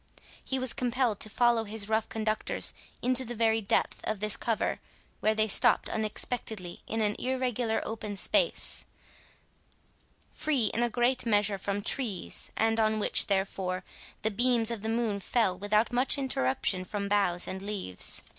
He was compelled to follow his rough conductors into the very depth of this cover, where they stopt unexpectedly in an irregular open space, free in a great measure from trees, and on which, therefore, the beams of the moon fell without much interruption from boughs and leaves.